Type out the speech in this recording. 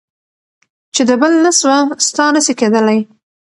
چي د بل نه سوه. ستا نه سي کېدلی.